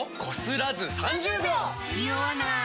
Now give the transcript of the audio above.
ニオわない！